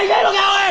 おい！